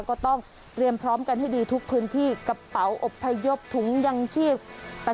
ก็ต้องเตรียมพร้อมกันให้ดีทุกพื้นที่กระเป๋าอบพยพถุงยังชีพต่าง